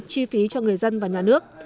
chi phí cho người dân và nhà nước